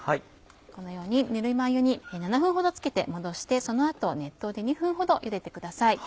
このようにぬるま湯に７分ほどつけて戻してその後熱湯で２分ほどゆでてください。